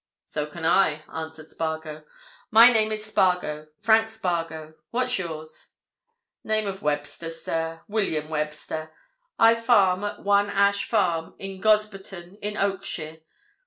"So can I," answered Spargo. "My name is Spargo—Frank Spargo. What's yours?" "Name of Webster, sir—William Webster. I farm at One Ash Farm, at Gosberton, in Oakshire.